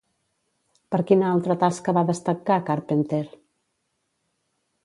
Per quina altra tasca va destacar Carpenter?